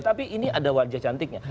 tapi ini ada wajah cantiknya